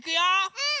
うん！